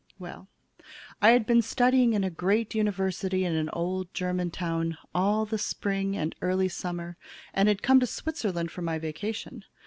"Well, I had been studying in a great university in an old German town all the spring and early summer and had come to Switzerland for my vacation.